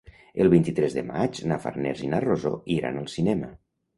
El vint-i-tres de maig na Farners i na Rosó iran al cinema.